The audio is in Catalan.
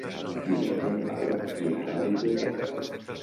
Diumenge na Laura irà a la biblioteca.